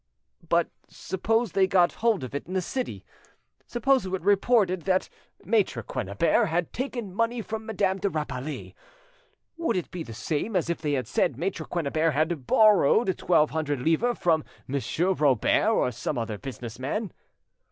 "But suppose they got hold of it in the city, suppose it were reported that Maitre Quennebert had taken money from Madame de Rapally, would it be the same as if they said Maitre Quennebert had borrowed twelve hundred livres from Monsieur Robert or some other business man?"